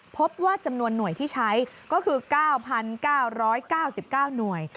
พบว่าจำนวนหน่วยที่ใช้ก็คือ๙๙๙๙หน่วย